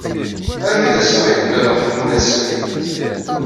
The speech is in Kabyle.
Armi d ass-a ay d-mlaleɣ Ḥemmu n At Sɛid.